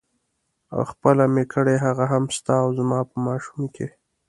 او خپله مې کړې هغه هم ستا او زما په ماشوم کې.